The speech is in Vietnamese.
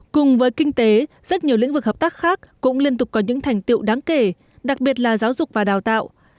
cùng với kinh tế rất nhiều lĩnh vực hợp tác khác cũng liên tục có những thành tiệu đáng kể đặc biệt là giáo dục và đào tạo